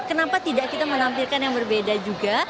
kenapa tidak kita menampilkan yang berbeda juga